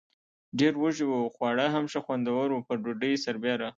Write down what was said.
ډېر وږي و، خواړه هم ښه خوندور و، پر ډوډۍ سربېره.